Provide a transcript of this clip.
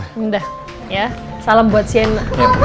udah ya salam buat sienna